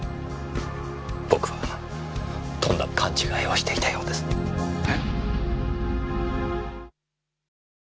僕はとんだ勘違いをしていたようです。え？